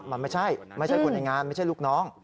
มันไม่ใช่ไม่ใช่คนในงานไม่ใช่ลูกน้อง